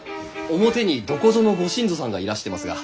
表にどこぞのご新造さんがいらしてますが。